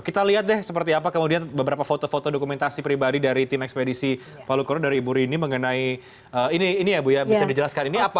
kita lihat deh seperti apa kemudian beberapa foto foto dokumentasi pribadi dari tim ekspedisi palu koro dari ibu rini mengenai ini ini ya bu ya bisa dijelaskan ini apa